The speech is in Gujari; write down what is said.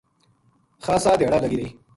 خاصا دھیاڑا لگی رہی